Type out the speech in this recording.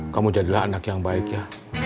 kamu jadilah anak yang baik ya